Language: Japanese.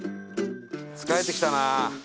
疲れてきたな。